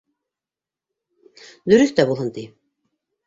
Дөрөҫ тә булһын ти.